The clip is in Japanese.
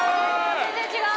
全然違う！